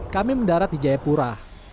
kami mendarat di jayapura